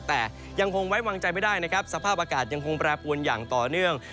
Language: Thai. แต่ยังคงไว้วางใจไม่ได้นะครับสภาพอากาศยังคงแปรปวนอย่างต่อเนื่อง